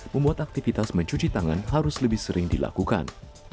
membuat aktivitas mencuci tangan harus lebih sering dilakukan